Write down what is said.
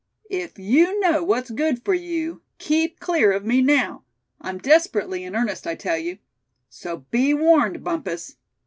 If you know what's good for you, keep clear of me now. I'm desperately in earnest, I tell you. So be warned, Bumpus!"